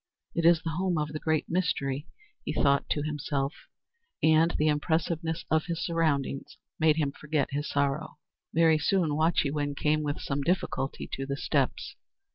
"It is the home of the Great Mystery," he thought to himself; and the impressiveness of his surroundings made him forget his sorrow. Very soon Wahchewin came with some difficulty to the steps.